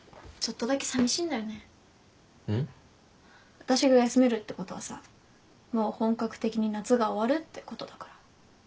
私が休めるってことはさもう本格的に夏が終わるってことだから。